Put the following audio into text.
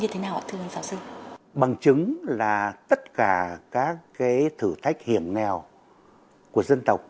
thưa giáo sư bằng chứng là tất cả các thử thách hiểm nghèo của dân tộc